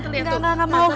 tante lihat tante takut